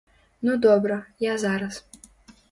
Ну добра, я зараз.